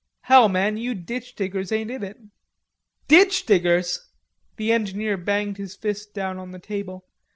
Hell, man, you ditch diggers ain't in it." "Ditch diggers!" The engineer banged his fist down on the table.